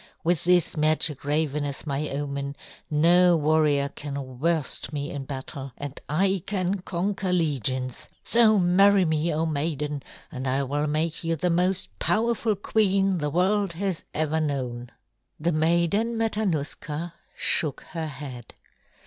With this magic raven as my omen, no warrior can worst me in battle, and I can conquer legions. So marry me, O Maiden, and I will make you the most powerful queen the world has ever known." The Maiden Matanuska shook her head.